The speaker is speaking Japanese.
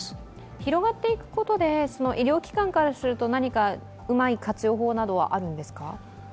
広がっていくことで医療機関からすると何かうまい活用法などはあるんですか？